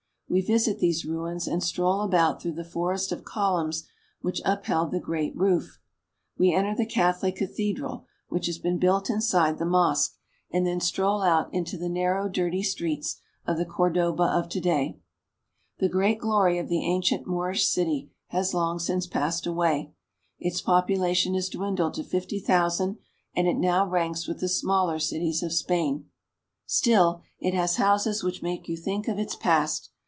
We visit these ruins, and stroll about through the forest of columns which upheld the great roof. We Interior of the Alcazar. IN THE CITIES OF SPAIN. 443 enter the Catholic cathedral, which has been built inside the mosque, and then stroll out into the narrow, dirty streets of the Cordoba of to day. The great glory of the ancient Moorish city has long since passed away. Its population has dwindled to fifty thousand, and it now ranks with the smaller cities of Spain. Still, it has houses which make you think of its past.